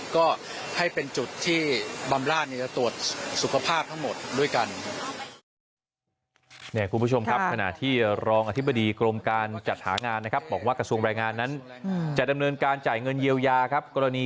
ก็ให้เป็นจุดที่บำราชจะตรวจสุขภาพทั้งหมดด้วยกัน